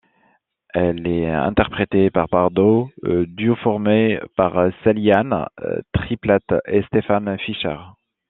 Elle est interprétée par Bardo, duo formé par Sally Ann Triplett et Stephen Fischer.